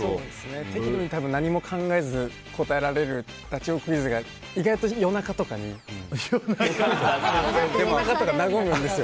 適度に何も考えずに答えられるダチョウクイズが意外と夜中とかに和むんですよ。